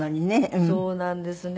そうなんですね。